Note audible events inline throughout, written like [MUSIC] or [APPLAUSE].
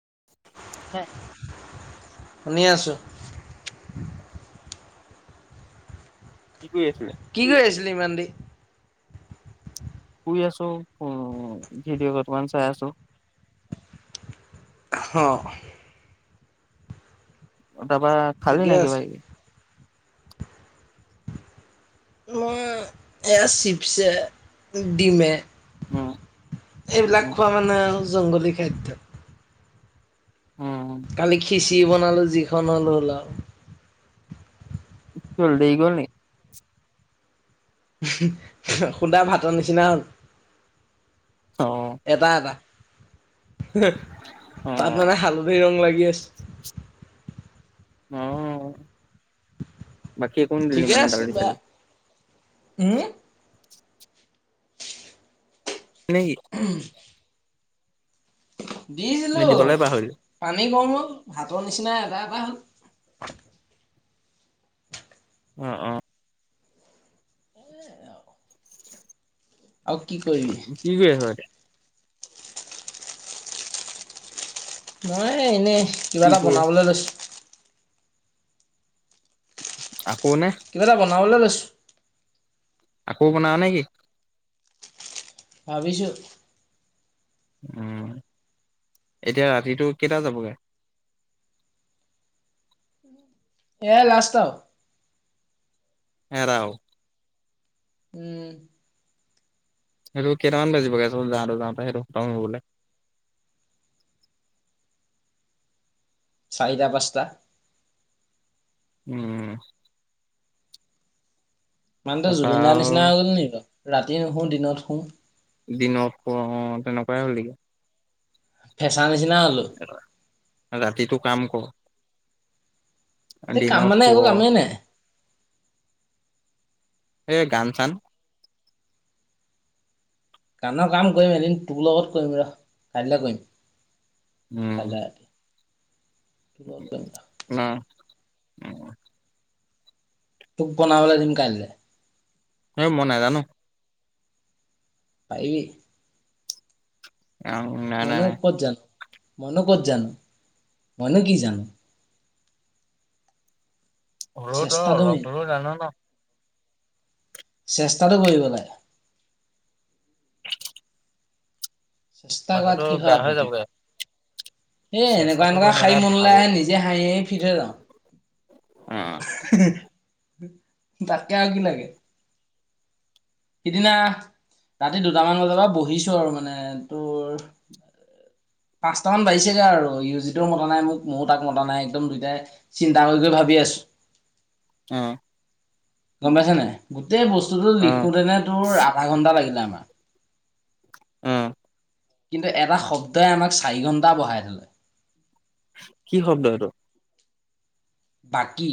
[INAUDIBLE] শুনি আছোঁ। কি কৰি আছিলে? কি কৰি আছিলি ইমান দেৰি? শুই আছো, হু ভিডিঅ' কেইটামান চাই আছো। হ। তাৰপা খালি ঠিকে নাই আছে কিবা কিবি? মই এইয়া চিপছে ডিমে। অ'। এইবিলাক খোৱা মানে আও জংগলী খাদ্য। উম কালি খিচিৰি বনালো যিখন হ'ল, হ'ল আও। কি হল? দেই গল নি? সুদা ভাতৰ নিচিনা হ'ল। অঁ'। এটা-এটা, অ তাত মানে হালধি ৰং লাগি আছে। অ'। বাকী একো নিদিলি ঠিকে মানে আছে দালি বা, চালি উম [UNINTELLIGIBLE] [INAUDIBLE] নে দিছিলোঁ, দিবলৈ পাহৰিলি? পানী ক'ম হ'ল ভাতৰ নিচিনা এটা-এটা হ'ল। অ', অ'। সেইয়াই আওঁ। আৰু কি কৰিবি? কি কৰি আছ এতিয়া? মই এনেই, কিবা কি এটা কৰি আছো বনাবলৈ লৈছো। আকৌ নে? কিবা এটা বনাবলৈ লৈছোঁ। আকৌ বনাৱ নে কি? ভাবিছোঁ। উম, এতিয়া ৰাতিটো কেইটা যাবগে? এয়াই লাষ্ট আও। [UNINTELLIGIBLE] উম। সেইটো কেইামানাজিবগৈ তোৰ যাওঁতে যাওঁতে সেটো খটম হ'বলে? চাৰিটা পাঁচটা। উম। মানুহ টো তাৰপা জুবিন দাৰ আৰু নিচিনা হৈ গলি নেকি ৰাতি নুশু দিনত শুওঁ। দিনত শুৱ অ', তেনেকুৱাই হ'লি গৈ। ফেচা নিচিনা হ'লো। ৰাতিটো কাম কৰ, ৰাতি কাম দিনত মানে একো শুৱ। কামেই নাই এই গান-চান। গানৰ কাম কৰিম এদিন তোৰ লগত কৰিম ৰ'হ কাইলে কৰিম। উম। কাইলৈ ৰাতি [UNINTELLIGIBLE] অ'। তোক বনাবলে দিম কাইলে। হেই মই নাজানো। পৰিবি। [UNINTELLIGIBLE] মইনো ক'ত জানো, মইনো ক'ত জানো, মই নো কি জানো। হ'লেও তই চেষ্টাটো অলপ মেইন হ'লেও জান ন চেষ্টাটো কৰিব লাগে। চেষ্টা মাথাটো কৰাত কিহৰ বেয়া হৈ আপত্তি। যাবগে এ এনেুৱা চেষ্টাটো এনেকুৱা কৰিম শাৰী নাই মনলে ভাবো আহে নিজে হাঁহি হাঁহি ফিট থৈ যাওঁ। অ'। তাতকে আৰু কি লাগে। সিদিনা ৰাতি দুটামান বজাৰ পৰা বহিছো আৰু মানে তোৰ পাঁচটা মান বাজিছেগৈ আৰু ইউ জিটো মতা নাই মোক ময়ো তাক মতা নাই একদম দুইটাই চিন্তা কৰি কৰি ভাবি আছো। অ'। গম পাইছনে নাই, গোটেই বস্তুটো অ লিখোতেনে তোৰ আধা ঘন্টা লাগিলে আমাৰ। অ'। কিন্তু এটা শব্দই আমাক চাৰি ঘণ্টা বঢ়াই দিলে। কি শব্দ হেইটো? বাকী।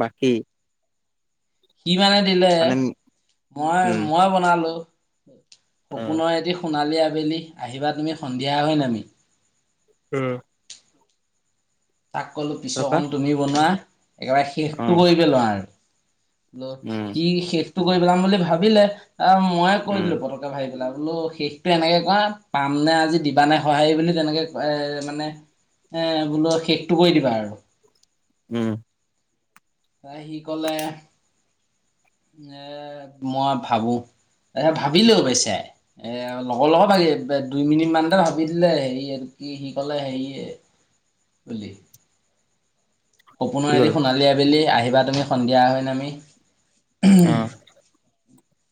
বাকী? সি মানে দিলে, মানে মই উম মই বনালো, অ সপোনৰ এটি সোণালী আবেলি আহিবা তুমি সন্ধিয়া হৈ নামি। উম। তাক ক'লো তাৰপা পিছৰকন তুমি বনোৱা, একেবাৰে অ শেষটো কৰি পেলোৱা আৰু। উম সি শেষটো কৰি পেলাম বুলি ভাবিলে আহ, মই কৈ উম দিলোঁ পটক ভাবি পেলা বোলো শেষটো এনেকে কৰা পাম নে আজি দিবা নে সঁহাৰি বুলি তেনেকে এ মানে [INAUDIBLE] এ, বোলো শেষটো কৰি দিবা আৰু। উম। তা সি ক'লে এ, মই ভাবোঁ। এ, ভাবিলেও পিছে। এ, লগৰ লগত ভাবি দুই মিনিট মানতে ভাবি দিলে, হেৰি আৰু কি সি ক'লে হেৰি বুলি। কি সপোনৰ এদি ক'লা সোণালী আবেলি আহিবা তুমি সন্ধিয়া হৈ নামি। অ'।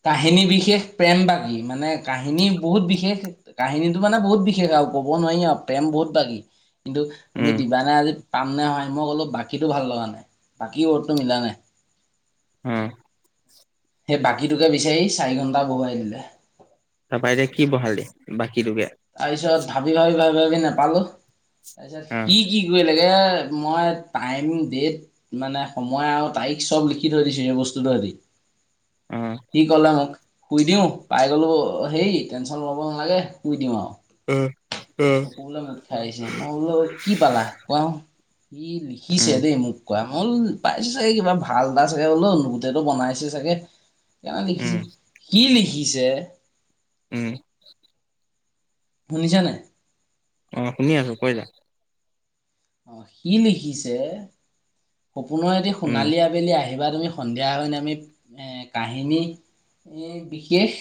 কাহিনী বিশেষ প্ৰেম বাকী মানে কাহিনী বহুত বিশেষ কাহিনীটো মানে বহুত বিশেষ আৰু ক'ব নোৱাৰি আৰু, প্ৰেম বহুত বাকী। কিন্তু তুমি উম দিবানে আজি, পাম নে হয়, মই ক'লো বাকীটো ভাল লগা নাই, বাকী ৱৰ্ডটো মিলা নাই। হু। সেই বাকীটোকে বিচাৰি চাৰি ঘণ্টা বহুৱাই দিলে। তাৰপৰা এতিয়া কি বহালি বাকীটোকে? তাৰপিছত ভাবি ভাবি ভাবি ভাবি নেপালো তাৰপিছত অ সি কি কৰি লাগে, মই টাইম, ডেট মানে সময় আৰু তাৰিখ চব লিখি থৈ দিছোঁ সেই বস্তুটো আজি। উম। কি ক'লে মোক শুই দিও পাই গলোঁ হেৰি, টেনচন ল'ব নালাগে শুই দিম আৰু। অ উম চকু বুলে মোঠ খাই আহিছে, মই বোলো কি পালা কওঁ ই লিখিছে উম দেই মোক কোৱা, মই বোলো পাইছে চাগে কিবা ভাল এটা চাগে বোলো গোটেইটো বনাইছে চাগে [UNINTELLIGIBLE] [INAUDIBLE] কিয়নো লিখিছে। সি লিখিছে উম। শুনিছা নাই? অ' শুনি আছোঁ, কৈ যা। অ' সি লিখিছে সপোনৰ এটি উম সোণালী আবেলি আহিবা তুমি সন্ধিয়া হৈ নামি এ, কাহিনী এ, বিশেষ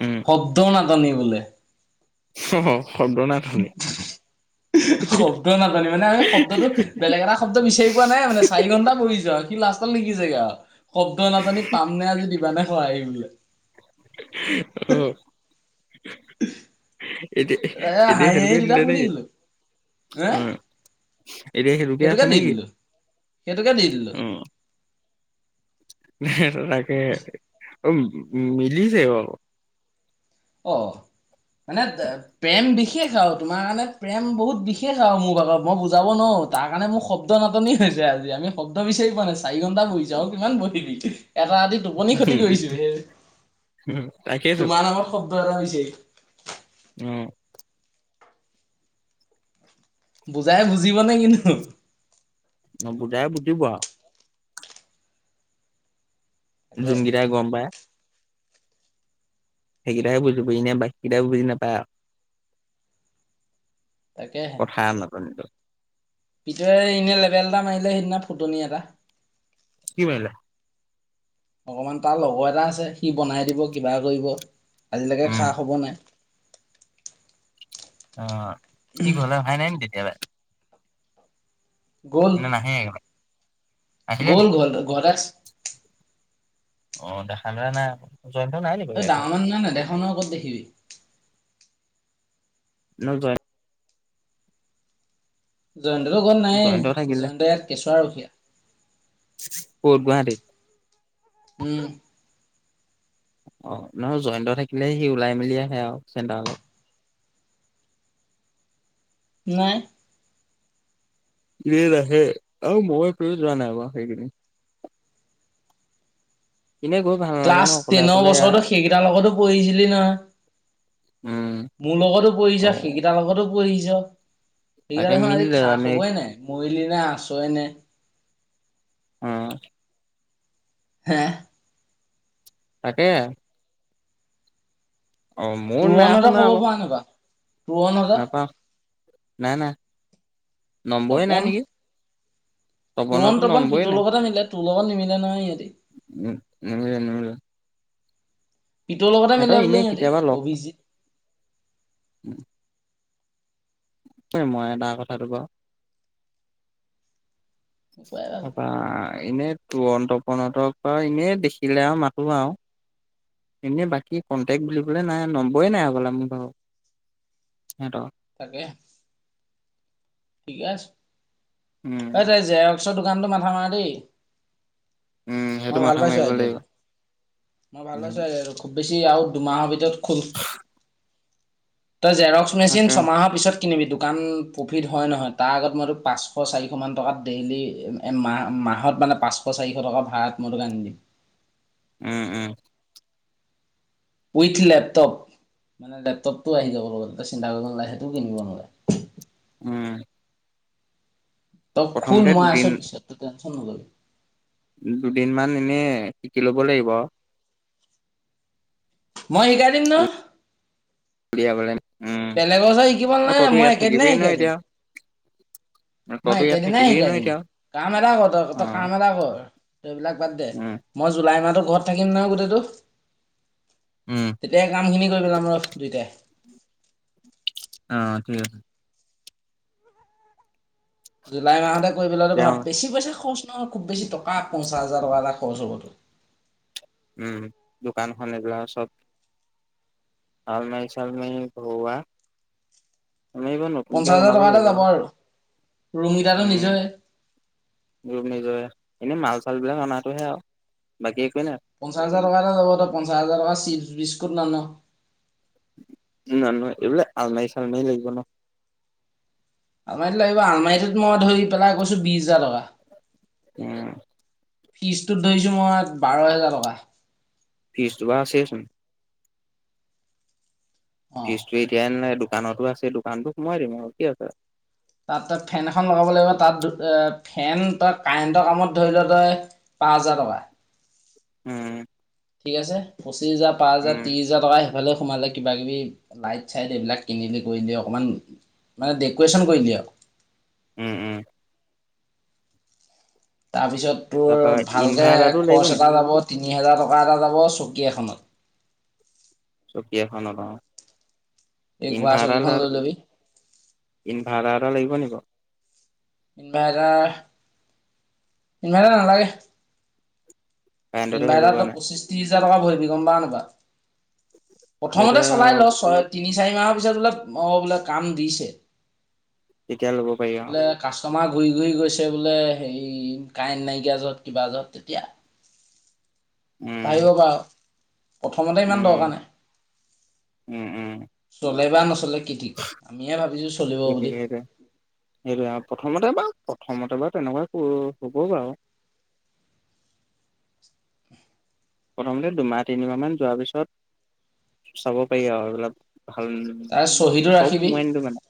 উম। শব্দৰ নাটনি বোলে। অ' শব্দৰ না [INAUDIBLE] শব্দ নাটনি মানে আমি শব্দটো বেলেগ এটা শব্দ বিচাৰি পোৱা নাই মানে চাৰি ঘণ্টা পঢ়িছো আৰু। সি লাষ্টট লিখিছেগা। শব্দৰ নাটনি পাম নে আজি দিবানে সঁহাৰি বোলে। [UNINTELLIGIBLE] অ', এতিয়া এ হাহি - এতিয়া হাহি সেইটোকে তেতিয়া দিলে শুই নেকি? থাকিলো। হে অ', এতিয়া সেইটোকে আছে দি নেকি? দিলো - সেইটোকে দি দিলো। হে তাকে অ, মিলিছে বাৰু। অ, মানে প্ৰেম বিশেষ আৰু তোমাৰ কাৰণে প্ৰেম বহুত বিশেষ আৰু মোৰ ভাগত মই বুজাব নোৱাৰো। তাৰ কাৰণে মোৰ শব্দৰ নাটনি হৈছে আজি আমি শব্দ বিচাৰি পোৱা নাই চাৰি ঘণ্টা বহিছো আৰু কিমান বহিবি এটা ৰাতি টোপনি ক্ষতি কৰিছো হে তাকেইতো তোমাৰ নামত শব্দ এটা হৈছে। উম, বুজাই বুজিবনে কিনো অ, বুজাই বুজিব আৰু। তাকে যোনকেইটাই গম পায়। সেই কেইটাইহে বুজিব এনেই বাকীকেইটাই বুজি নাপায় আৰু। তাকেহে। কথাৰ নাটনিটো পিছে এনে লেবেল এটা মাৰিলে সেইদিনা ফুটনি এটা। কি মাৰিলে? অকণমান তাৰ লগৰ এটা আছে সি বনাই দিব কিবা কৰিব আজিলৈকে উম, খা খবৰ নাই। অ, ঠিক হ'লে ভাই নাই নেকি তেতিয়ালৈ। নে নাহেই একেবাৰে? আহিলে নি? গ'ল - গ'ল গদাক্স অ, দেখা যোৱা নাই আকৌ। জয়ন্ত নাই নেকি? এই ডাঙৰ মানুহ নহয় নেদেখাই নহয় ক'ত দেখিবি। ন জয় জয়ন্তটো ঘৰত নাইয়ে জয়ন্ত ইয়াত কেঁচুৱা ৰখীয়া। ক'ত গুৱাহাটী? উম, অ, নহয় জয়ন্ত থাকিলে সি ওলাই মেলি আহে আৰু চেণ্টাৰলে। নাই। সি নাহে আৰু মই কেলে যোৱা নাই বাৰু সেই কেইদিন। এনেই গৈ ভাল নালাগে ক্লাছ ন অকলে টেনৰ অকলে আ বছৰতো সেইকেইটাৰ লগতো পঢ়িছিলি নহয়। উম মোৰ লগতো অ পঢ়িছা, সেইকেইটাৰ লগতো পঢ়িছোঁ। সেই তাকে কেইটাৰ দেখোন আজি মিলিলে খা জানে খবৰেই নাই। মৰিলি নে আছোয়ে নে? উম, হে তাকেই। অ মোৰ নাই পুৰণাটোৰ শুনা খবৰ আকৌ পাওঁ নাপাওঁ? নাপাওঁ নাই - নাই। নম্বৰে নাই তপন নেকি পুৰণ তপনৰতো তপন, নম্বৰে পিতৰ নাই লগতে মিলে, তোৰ লগত নিমিলে নহয় সিহঁতি। উম, নিমিলে - নিমিলে। পিতৰ লগতে সিহঁতৰ মিলে বোলে এনেই সিহঁতি কেতিয়াবা লগ অভিজিৎ তই, মই এটা কথাটো কওঁ। উপায় আৰু তাৰপা এনেই পুৰণ, তপন হঁতক বাৰু এনে দেখিলে আৰু মাতো আৰু। এনেই বাকী কণ্টেক্ট বুলিবলৈ নাই, নম্বৰেই নাই আগলে মোৰ ভাগৰ। সিহঁতৰ। তাকে। ঠিকে আছে। অঁ, উম, তই জেৰক্সৰ দোকানটো মাথা মাৰা দেই। উম, সেইটো মই ভাল মাথা পাইছো মাৰিব লাগিব আইদিয়াটো, মই ভাল উম, পাইছো আইদিয়াটো। খুব বেছি আৰু দুমাহৰ ভিতৰত খোল। তই জেৰক্স মেচিন তাকে ছমাহৰ পিছত- কিনিবি। দোকান প্ৰফিট- হয় নহয়। তাৰ আগত মই তোক পাঁচশ, চাৰিশ মান টকাত ডেইলি এ মাহ মাহত মানে পাঁচ- শ, চাৰিশ টকাত ভাড়াত মই তোক আনি দিম। উম, উম। With laptop. মানে লেপটপটো আহি যাব লগত তই চিন্তা কৰিব নালাগে, সেইটো কিনিব নালাগে। উম। তই খুল, প্ৰথমতে মই দুদিন আছো পিছত তই টেনচন নলবি। দুদিন মান এনেই শিকি ল'ব লাগিব। মই শিকাই দিম নহ। উলিয়াবলৈ উম। বেলেগৰ ওচৰত শিকিব অ, নালাগে তইতো মই ইয়াত থাকিবি একেদিনাই ন শিকাই দিম এতিয়া! মই তইতো ইয়াত একেদিনাই থাকিবিয়ে শিকাই নহয় দিম। এতিয়া কাম এটা কৰ তই, তই অ', কাম এটা কৰ, তই সেইবিলাক বাদ দে। উম, মই জুলাই মাহটো ঘৰত থাকিম নহয় গোটেইটো। উম। গোটেই কামখিনি কৰি পেলাম আৰু দুয়োটাই। অঁ, ঠিক আছে। জুলাই মাহতে কৰি পেলোৱাটো ভাল। তেওঁ বেছি পইচা খৰচ নহয়, খুব বেছি টকা পঞ্চাছ হাজাৰ টকা এটা খৰচ হ'ব তোৰ। উম, দোকানখন এইবিলাক চব- আলমাৰি -চালমাৰি ভৰোৱা। আমি বনো- পঞ্চাশ হাজাৰ টকা এটা যাব আৰু। ৰুমকেইটা টো উম, নিজৰে। ৰুম নিজৰে। এনেই মাল চালবিলাক অনাটোহে আৰু, বাকী একোৱে নাই। পঞ্চাছ হাজাৰ টকা এটা যাব। তই পঞ্চাছ হাজাৰ টকাৰ চিপছ, বিস্কুট নান। উম নানো। এইবিলাক আলমাৰি- চালমাৰি লাগিব ন! আলমাৰীটো লাগিব, আলমাৰীটোত মই ধৰি পেলাই কৈছো বিশ হাজাৰ টকা। উম। ফ্ৰীজটোত ধৰিছোঁ মই বাৰ হেজাৰ টকা। ফ্ৰীজটো বাৰু আছেই চোন। অ ফ্ৰীজতটো এতিয়া নাই, দোকানতো আছে। দোকানতো সোমাই দিম আৰু কি আছে! তাত তই ফেন এখন লগাব লাগিব। তাত এ ফেন, তই কাৰেণ্টৰ কামত ধৰি ল তই- পাঁচ হাজাৰ টকা। উম। ঠিক আছে। পঁচিছ হাজাৰ, পাঁচ হাজাৰ, ত্ৰিছ- উম, পঁচিছ হাজাৰ টকা সেইফালে সোমালে কিবা কিবি লাইট -চাইট এইবিলাক কিনিবি, কৰিবি অকণমান। মানে ডেকৰেচন কৰি দিয়? উম, ওম। তাৰপিছত তোৰ, তাৰপা ভালকে ইনভাৰ্টাৰটো লাগিব খৰচ নি এটা যাব, তিনি হেজাৰ টকা এটা যাব, চকী এখনত। চকী এখনত, অ', এই ঘোঁৰা ইনভাৰটাৰ চকীখন ডাল লৈ ল'বি ইনভাৰটাৰ এটা লাগিব নিব। ইনভাৰটাৰ, ইনভাৰটাৰ নালাগে। কাৰেণ্টতে হৈ যাব ইনভাৰটাৰটো নাই পঁচিছ ত্ৰিশ হাজাৰ টকা ভৰিবি গম পাওঁ নাপাওঁ। সেইটো প্ৰথমতে চলাই ল, ছয় তিনি চাৰি মাহৰ পিছত বোলে অ বোলে কাম দিছে। তেতিয়া লব পাৰি আও। বোলে কাষ্টমাৰ ঘূৰি ঘূৰি গৈছে বোলে, হেৰি কাৰেণ্ট নাইকিয়া য'ত কিবা য'ত তেতিয়া। ভাৱিব উম, পাৰ, প্ৰথমতে ইমান উম, দৰকাৰ নাই। উম, উম, চলে বা নচলে কি ঠিক, আমিয়ে ভাবিছো চলিব বুলি। গতিকে সেইটো সেইটোৱে অঁ, প্ৰথমতে বাও প্ৰথমতে বাও তেনেকুৱাই হ'ব বাৰু। প্ৰথমতে দুমাহ তিনিমাহ মান যোৱাৰ পিছত চাব পাৰি আও, এইবিলাক ভাল তাৰ চহীটো চব ৰাখিবি, সোমোৱাই নিদো মানে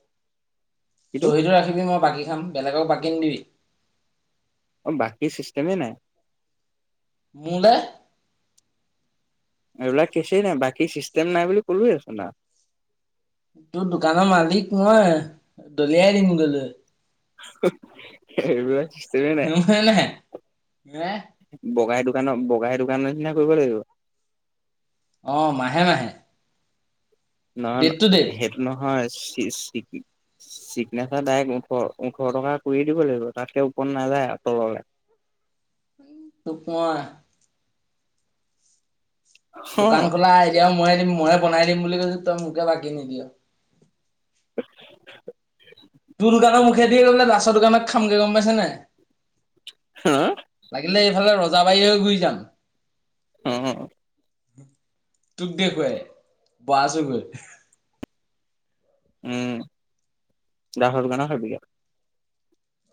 কিন্তু চহীটো ৰাখিবি মই বাকী খাম। বেলেগক বাকী নিদিবি। অঁ, বাকী চিষ্টেমেই নাই। মোলে। এইবিলাক কেঁচই নাই বাকী চিষ্টেম নাই বুলি কোলোঁৱই চোন নাই। তোৰ দোকানৰ মালিক মই, দলিয়াই দিম গ'লে। [INAUDIBLE] [INAUDIBLE] বগাই দোকানক বগাই দোকানৰ নিচিনা কৰিব লাগিব। অঁ মাহে মাহে। না না ডেট টু ডেট সেইতো নহয় চি চিকি, চিগনেচাৰ ডাইৰেক্ট ওঠৰ ওঠৰ টকা কৰিয়ে, দিব লাগিব তাতকে ওপৰ নাযায় তললে। [INAUDIBLE] অ দোকান খোলা আইদিয়া ময়ে দিম ময়ে বনাই দিম বুলি কৈছো, তই মোকে বাকী নিদিয়। [INAUDIBLE] তোৰ দোকানৰ মুখেদি গৈ পেলাই, লাষ্টৰ দোকানত খামগে গম পাইছে নে নাই। [INAUDIBLE] লাগিলে এইফালে ৰজাবাৰী হৈ ঘূৰি যাম। অঁ। তোক দেখুৱাই, ৱাছ হৈ গল। উম, গাহৰ দোকানত খাবিগে।